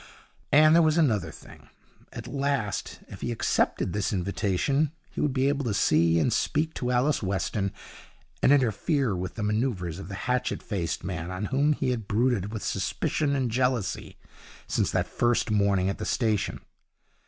And there was another thing. At last, if he accepted this invitation, he would be able to see and speak to Alice Weston, and interfere with the manoeuvres of the hatchet faced man, on whom he had brooded with suspicion and jealousy since that first morning at the station.